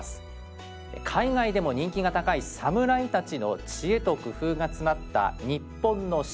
海外でも人気が高い「サムライ」たちの知恵と工夫が詰まった日本の城。